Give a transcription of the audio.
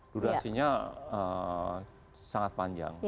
durasinya sangat panjang